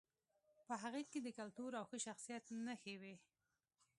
په هغې کې د کلتور او ښه شخصیت نښې وې